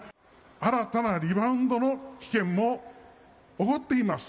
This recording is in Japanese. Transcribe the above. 新たなリバウンドの危険も起こっています。